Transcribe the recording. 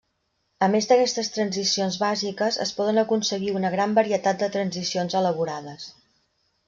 A més d’aquestes transicions bàsiques, es poden aconseguir una gran varietat de transicions elaborades.